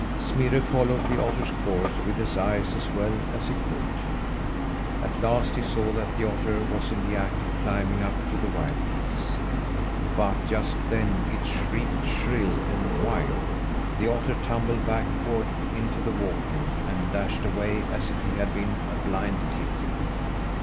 Smirre followed the otter's course with his eyes as well as he could. At last he saw that the otter was in the act of climbing up to the wild geese. But just then it shrieked shrill and wild. The otter tumbled backward into the water, and dashed away as if he had been a blind kitten.